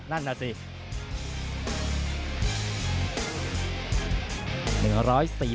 นั่นน่ะสิ